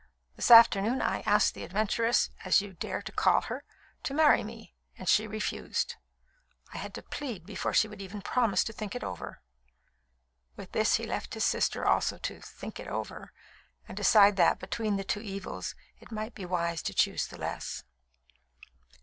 This afternoon I asked the 'adventuress,' as you dare to call her, to marry me, and she refused. I had to plead before she would even promise to think it over." With this he left his sister also to "think it over," and decide that, between two evils, it might be wise to choose the less.